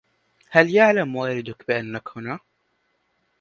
هل يعلم والداك بانك هنا؟